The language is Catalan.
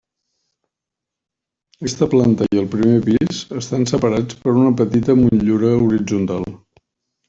Aquesta planta i el primer pis estan separats per una petita motllura horitzontal.